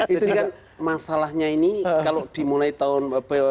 jadi kan masalahnya ini kalau dimulai tahun dua ribu empat belas